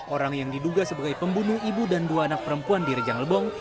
orang yang diduga sebagai pembunuh ibu dan dua anak perempuan di rejang lebong